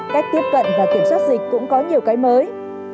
cách tiếp cận và kiểm soát dịch cũng có nhiều cái mới